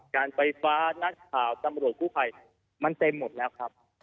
การไฟฟ้านักข่าวตำรวจกู้ภัยมันเต็มหมดแล้วครับ